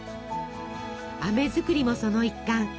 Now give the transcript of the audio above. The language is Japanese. あめ作りもその一環。